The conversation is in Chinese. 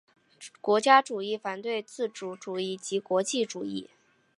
国家主义反对自由主义及国际主义。